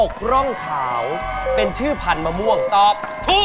อกร่องขาวเป็นชื่อผันมะม่วงต๊อบ